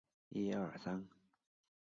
生子令香。